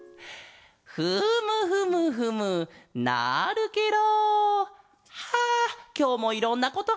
フムフムフムなるケロ！はあきょうもいろんなことがしれた。